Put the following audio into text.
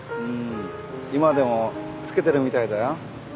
今でもつけてるみたいだよ。